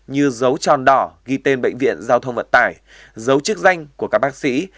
như dấu tròn đỏ ghi tên bệnh viện giao thông vận tải dấu chức danh của các bác sĩ